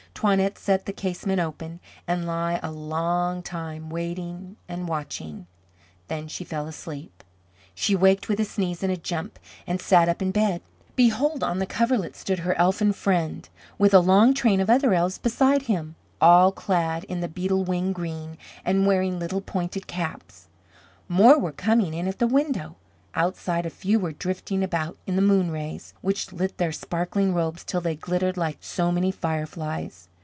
Toinette set the casement open, and lay a long time waiting and watching; then she fell asleep. She waked with a sneeze and jump and sat up in bed. Behold, on the coverlet stood her elfin friend, with a long train of other elves beside him, all clad in the beetle wing green, and wearing little pointed caps. More were coming in at the window; outside a few were drifting about in the moon rays, which lit their sparkling robes till they glittered like so many fireflies.